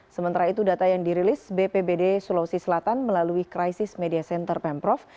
sementara itu data yang dirilis bpbd sulawesi selatan melalui krisis media center pemprov